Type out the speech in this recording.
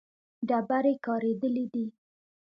ډبرې کارېدلې دي.